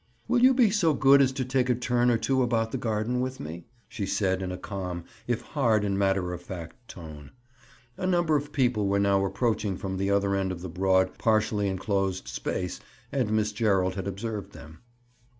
"Will you be so good as to take a turn or two about the garden with me?" she said in a calm, if hard and matter of fact tone. A number of people were now approaching from the other end of the broad, partially enclosed space and Miss Gerald had observed them.